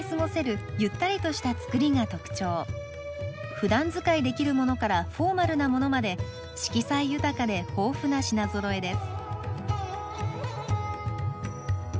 ふだん使いできるものからフォーマルなものまで色彩豊かで豊富な品ぞろえです。